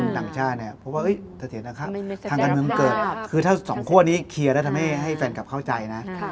ดังชาติน่ะเพราะว่าสถานการณ์มันเกิดคือถ้าสองครัวนี้เคลียร์แล้วทำให้แฟนกลับเข้าใจนะ